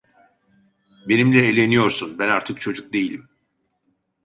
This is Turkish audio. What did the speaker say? Benimle eğleniyorsun, ben artık çocuk değilim!